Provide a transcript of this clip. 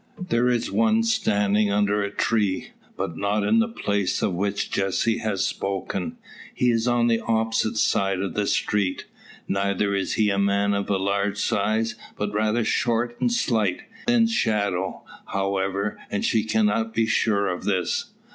There is one standing under a tree, but not in the place of which Jessie has spoken; he is on the opposite side of the street. Neither is he a man of large size, but rather short and slight. He is in shadow, however, and she cannot be sure of this.